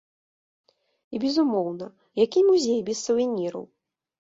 І, безумоўна, які музей без сувеніраў?